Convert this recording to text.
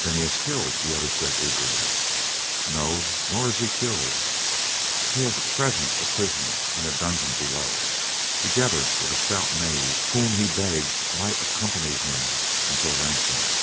"Then he is killed!" the other said eagerly. "No; nor is he killed. He is at present a prisoner in a dungeon below, together with a stout knave whom he begged might accompany him until ransomed."